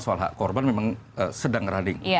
soal hak korban memang sedang running